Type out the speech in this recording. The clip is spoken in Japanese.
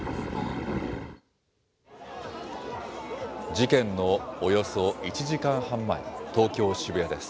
事件のおよそ１時間半前、東京・渋谷です。